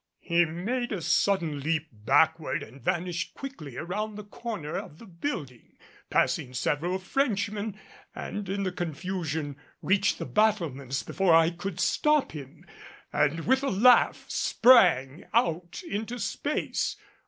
He made a sudden leap backward and vanished quickly around the corner of the building, passing several Frenchmen, and in the confusion reached the battlements before I could stop him, and with a laugh sprang out into space.